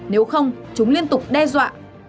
nếu không chúng liên tục đe dọa